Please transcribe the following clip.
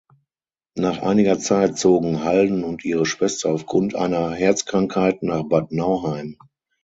Nach einiger Zeit zogen Halden und ihre Schwester aufgrund einer Herzkrankheit nach Bad Nauheim.